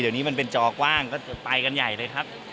เดี๋ยวนี้มันเป็นจอกว้างก็จะไปกันใหญ่เลยครับ